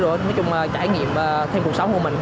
nói chung trải nghiệm thêm cuộc sống của mình